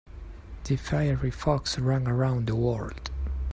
The fiery fox ran around the world.